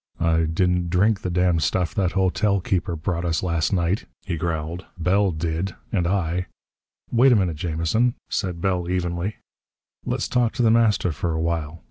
"I didn't drink the damned stuff that hotel keeper brought us last night," he growled. "Bell did. And I " "Wait a minute, Jamison," said Bell evenly. "Let's talk to The Master for a while.